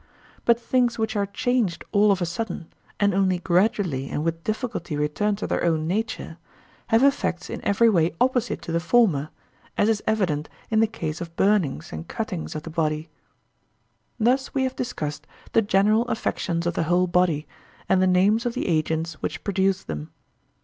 But things which are changed all of a sudden, and only gradually and with difficulty return to their own nature, have effects in every way opposite to the former, as is evident in the case of burnings and cuttings of the body. Thus have we discussed the general affections of the whole body, and the names of the agents which produce them.